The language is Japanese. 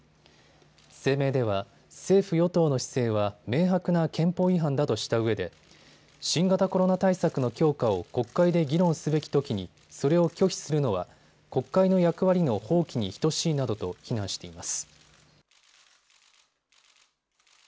声明では政府与党の姿勢は明白な憲法違反だとしたうえで新型コロナ対策の強化を国会で議論すべきときにそれを拒否するのは国会の役割の放棄に等しいなどと非難しています。